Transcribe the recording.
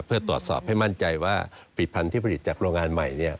เพื่อตรวจสอบให้มั่นใจว่าผลิตภัณฑ์ที่ผลิตจากโรงงานใหม่